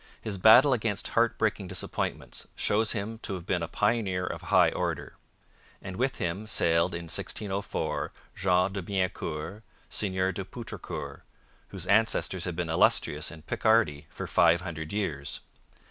His battle against heartbreaking disappointments shows him to have been a pioneer of high order. And with him sailed in 1604 Jean de Biencourt, Seigneur de Poutrincourt, whose ancestors had been illustrious in Picardy for five hundred years.